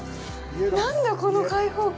何だこの開放感。